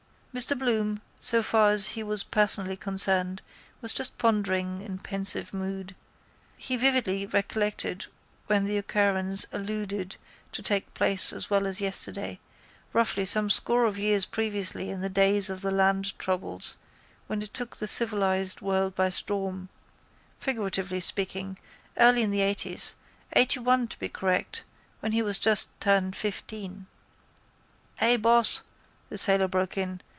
Mr Bloom, so far as he was personally concerned, was just pondering in pensive mood. He vividly recollected when the occurrence alluded to took place as well as yesterday, roughly some score of years previously in the days of the land troubles, when it took the civilised world by storm, figuratively speaking, early in the eighties, eightyone to be correct, when he was just turned fifteen. —Ay, boss, the sailor broke in.